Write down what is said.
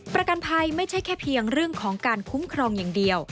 ประกันภัยไม่ใช่แค่เพียงเรื่องของการคุ้มครองอย่างเดียว